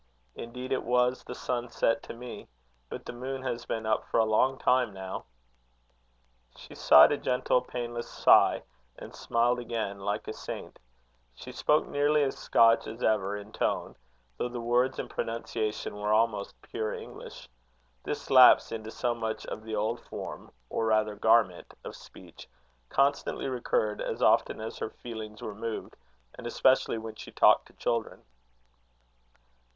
Indeed, it was the sunset to me; but the moon has been up for a long time now." She sighed a gentle, painless sigh, and smiled again like a saint. She spoke nearly as Scotch as ever in tone, though the words and pronunciation were almost pure English. This lapse into so much of the old form, or rather garment, of speech, constantly recurred, as often as her feelings were moved, and especially when she talked to children.